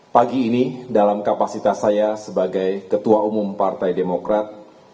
pagi ini dalam kapasitas saya sebagai ketua umum partai demokrat